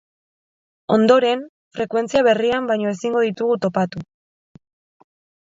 Ondoren, frekuentzia berrian baino ezingo ditugu topatu.